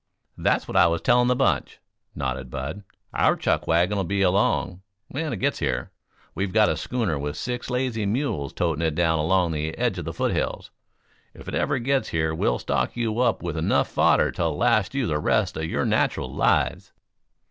"That's what I was telling the bunch," nodded Bud. "Our chuck wagon'll be along when it gets here. We've got a schooner with six lazy mules toting it down along the edge of the foothills. If it ever gets here we'll stock you up with enough fodder to last you the rest of your natural lives."